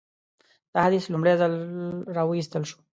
دا حدیث لومړی ځل راوایستل شو.